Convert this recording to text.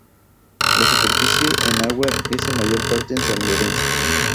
La superficie en agua es en mayor parte en el San Lorenzo.